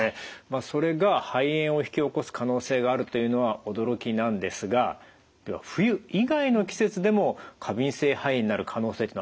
それが肺炎を引き起こす可能性があるというのは驚きなんですがでは冬以外の季節でも過敏性肺炎になる可能性というのはあるんでしょうか？